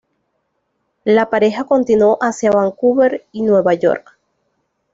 La pareja continuó hacia Vancouver y Nueva York.